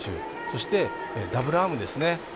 そして、ダブルアームですね。